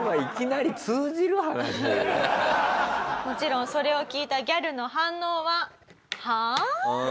もちろんそれを聞いたギャルの反応は。